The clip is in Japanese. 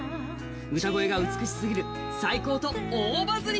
歌声が美しすぎる、最高と大バズり。